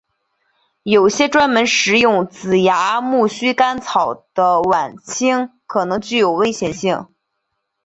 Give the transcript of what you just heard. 有些专门食用紫芽苜蓿干草的莞菁可能具有危险性。